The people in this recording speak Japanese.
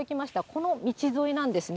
この道沿いなんですね。